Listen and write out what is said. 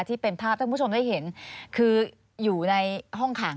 ควิทยาลัยเชียร์สวัสดีครับ